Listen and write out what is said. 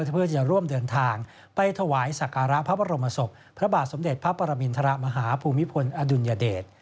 เพื่อจะร่วมเดินทางไปถวายสักการะพระบรมศพพระบาทสมเด็จพระปรมินทรมาฮาภูมิพลอดุลยเดช